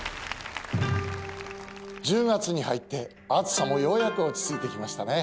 １０月に入って暑さもようやく落ち着いてきましたね。